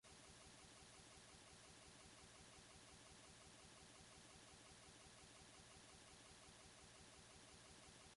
The ruling party of Georgian Dream won the majority of votes.